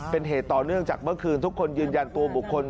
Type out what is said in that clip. เป็นเหตุต่อเนื่องจากเมื่อคืนทุกคนยืนยันตัวบุคคล